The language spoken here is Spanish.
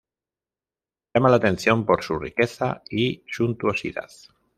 Llama la atención por su riqueza y suntuosidad.